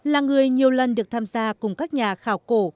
là người nhiều lần được tham gia cùng các nhà khảo cổ